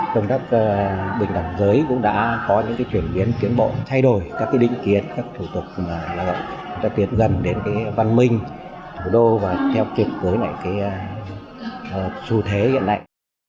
công tác bình đẳng giới cũng đã có những chuyển biến chuyển bộ thay đổi các đĩnh kiến các thủ tục tiến gần đến văn minh thủ đô và theo truyền cưới xu thế hiện đại